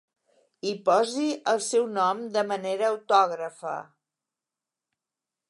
Hi posi el seu nom de manera autògrafa.